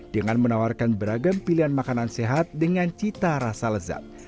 dengan menawarkan beragam pilihan makanan sehat dengan cita rasa lezat